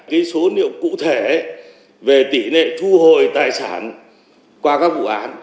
cái số liệu cụ thể về tỷ lệ thu hồi tài sản qua các vụ án